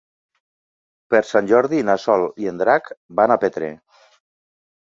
Per Sant Jordi na Sol i en Drac van a Petrer.